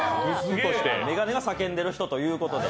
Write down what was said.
眼鏡が叫んでいる人ということで。